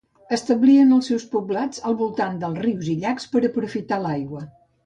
Establien els seus poblats al voltant dels rius i llacs per aprofitar l'aigua.